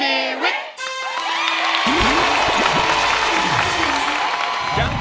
ลูกน้ำชม